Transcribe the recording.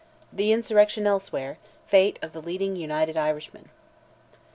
THE INSURRECTION ELSEWHERE—FATE OF THE LEADING UNITED IRISHMEN.